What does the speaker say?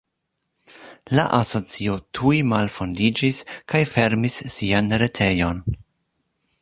La asocio tuj malfondiĝis kaj fermis sian retejon.